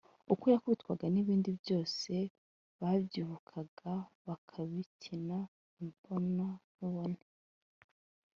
uko yakubitwaga n’ibindi byose babyibukaga bakabikina imbona nkubone